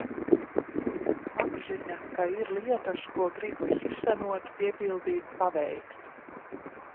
Apziņa, ka ir lietas, ko gribu īstenot, piepildīt, paveikt.